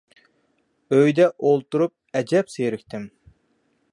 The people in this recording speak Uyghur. ئۆيدە ئولتۇرۇپ ئەجەب زېرىكتىم.